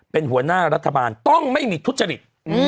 เป็นหัวหน้ารัฐบาลต้องไม่มีทุจริต